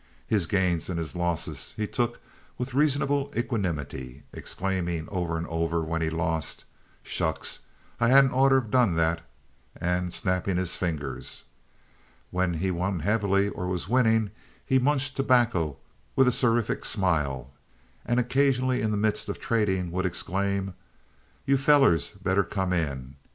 His gains and his losses he took with reasonable equanimity, exclaiming over and over, when he lost: "Shucks! I hadn't orter have done that," and snapping his fingers. When he won heavily or was winning he munched tobacco with a seraphic smile and occasionally in the midst of trading would exclaim: "You fellers better come in.